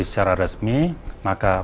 secara resmi maka